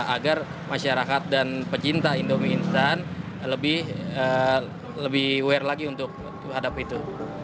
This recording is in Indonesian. agar masyarakat dan pecinta indomie instan lebih aware lagi untuk hadap itu